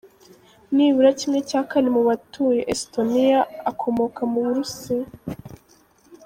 Nibura ¼ mu batuye Estoniya akomoka mu Burusiya.